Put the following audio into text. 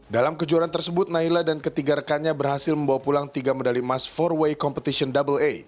dalam kejuaraan tersebut naila dan ketiga rekannya berhasil membawa pulang tiga medali emas empat way competition aa